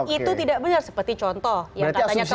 itu tidak benar seperti contoh yang katanya kemarin